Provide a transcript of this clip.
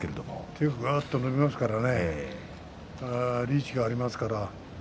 手ががっと伸びますからね、リーチがありますからね。